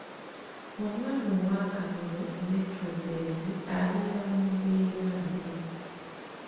Omwana ow’akamiro n’ettumbiizi abeera mu mbeera mbi.